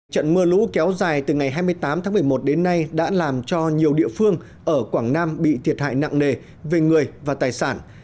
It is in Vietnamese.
trận mưa lũ kéo dài từ ngày hai mươi tám tháng một mươi một đến nay đã làm cho nhiều địa phương ở quảng nam bị thiệt hại nặng nề về người và tài sản